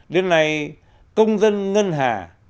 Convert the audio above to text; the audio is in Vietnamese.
đến nay công dân ngân hàng